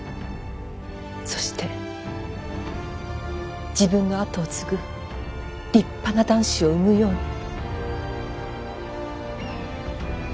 そして自分の跡を継ぐ立派な男子を産むように。